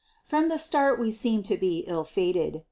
From the start we seemed to be ill fated.